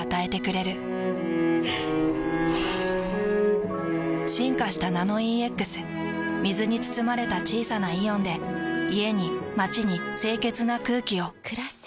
ふぅ進化した「ナノイーＸ」水に包まれた小さなイオンで家に街に清潔な空気を。